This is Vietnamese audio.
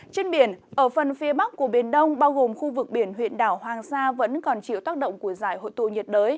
trên biển ở phần phía bắc của biển đông bao gồm khu vực biển huyện đảo hoàng sa vẫn còn chịu tác động của giải hội tụ nhiệt đới